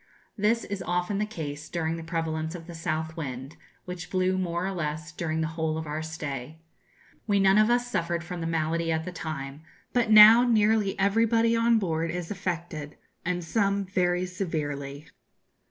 This is often the case during the prevalence of the south wind, which blew, more or less, during the whole of our stay. We none of us suffered from the malady at the time, but now nearly everybody on board is affected, and some very severely.